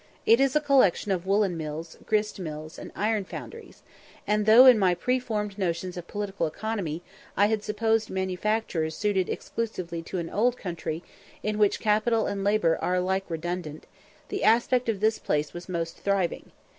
It is a collection of woollen mills, grist mills, and iron foundries; and though, in my preformed notions of political economy, I had supposed manufactures suited exclusively to an old country, in which capital and labour are alike redundant, the aspect of this place was most thriving.